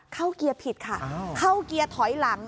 เกียร์ผิดค่ะเข้าเกียร์ถอยหลัง